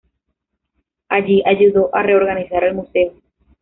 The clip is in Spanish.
Allí, ayudó a reorganizar el museo.